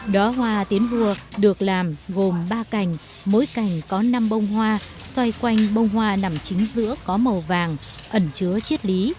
đó hoa tiến vua được làm gồm ba cành mỗi cành có năm bông hoa xoay quanh bông hoa nằm chính giữa có màu vàng ẩn chứa chiết lý